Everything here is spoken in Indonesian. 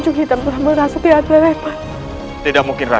namanya pun suka berk passive skills